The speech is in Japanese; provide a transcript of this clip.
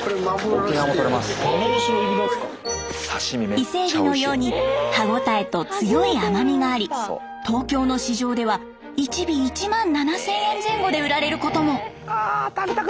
伊勢エビのように歯応えと強い甘みがあり東京の市場では１尾１万７，０００円前後で売られることも。